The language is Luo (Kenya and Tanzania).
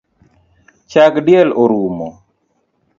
Chag diel orumo